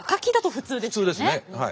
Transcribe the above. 普通ですねはい。